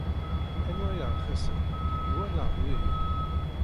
Anwa ay rxisen, d wa neɣ d wihin?